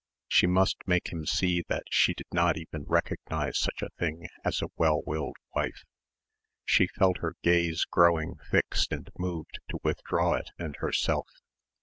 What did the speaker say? She must make him see that she did not even recognise such a thing as "a well willed wife." She felt her gaze growing fixed and moved to withdraw it and herself.